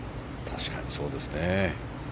確かにそうですね。